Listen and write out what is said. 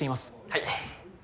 はい。